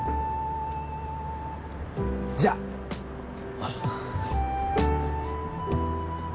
じゃああっ